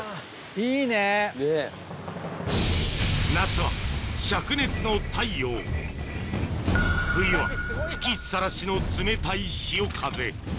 いいね。の太陽冬は吹きっさらしの冷たい潮風